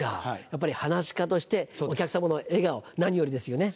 やっぱり噺家としてお客様の笑顔何よりですよね。